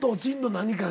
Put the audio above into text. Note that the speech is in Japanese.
何かが。